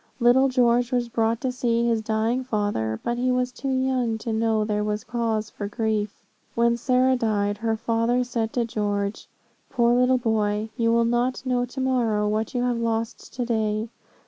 Little George was brought to see his dying father, but he was too young to know there was cause for grief When Sarah died, her father said to George, 'Poor little boy, you will not know to morrow what you have lost to day.'